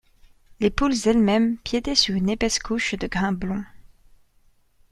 Les poules elles-mêmes piétaient sur une épaisse couche de grains blonds.